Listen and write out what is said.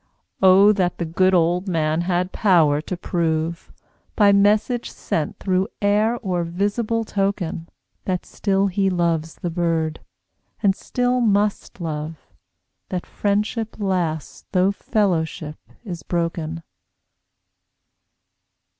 Oh that the good old Man had power to prove, By message sent through air or visible token, That still he loves the Bird, and still must love; That friendship lasts though fellowship is broken!